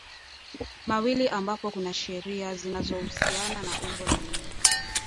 mawili ambapo kuna sheria zinazohusiana na umbo la neno